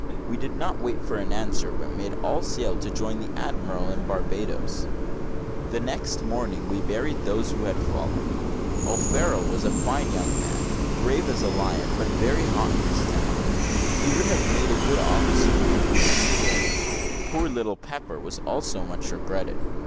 We did not wait for an answer, but made all sail to join the admiral at Barbadoes. The next morning we buried those who had fallen. O'Farrel was a fine young man, brave as a lion, but very hot in his temper. He would have made a good officer had he been spared. Poor little Pepper was also much regretted.